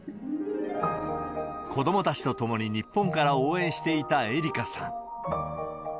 子どもたちと共に日本から応援していた恵梨佳さん。